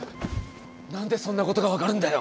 何でそんなことが分かるんだよ。